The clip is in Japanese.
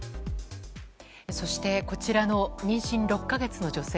そして、こちらの妊娠６か月の女性。